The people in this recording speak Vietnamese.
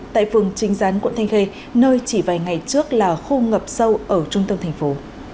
tại phường trinh gián quận thanh khê nơi chỉ vài ngày trước là khu ngập sâu ở trung tâm thành phố